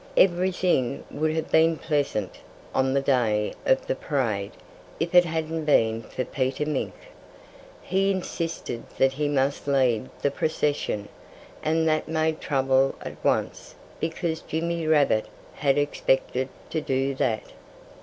Everything would have been pleasant, on the day of the parade, if it hadn't been for Peter Mink. He insisted that he must lead the procession; and that made trouble at once, because Jimmy Rabbit had expected to do that.